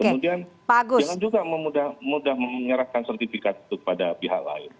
kemudian jangan juga mudah menyerahkan sertifikat itu kepada pihak lain